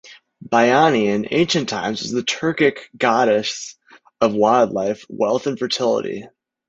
Baianai in ancient times was the Turkic goddess of wild life, wealth and fertility.